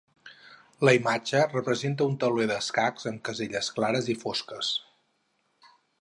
La imatge representa un tauler d'escacs amb caselles clares i fosques.